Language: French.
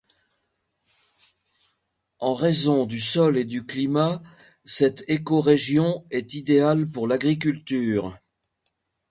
En raison du sol et du climat, cette écorégion est idéale pour l'agriculture.